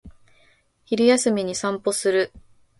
昼休みに散歩する